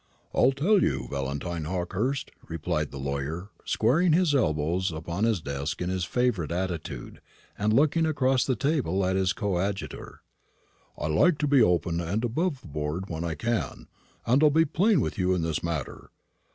"I'll tell you, Valentine Hawkehurst," replied the lawyer, squaring his elbows upon his desk in his favourite attitude, and looking across the table at his coadjutor; "I like to be open and above board when I can, and I'll be plain with you in this matter.